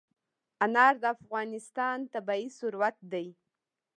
انار د افغانستان طبعي ثروت دی.